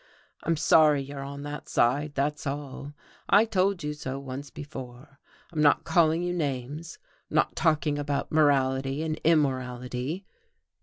"I'm sorry you're on that side, that's all, I told you so once before. I'm not calling you names, I'm not talking about morality and immorality.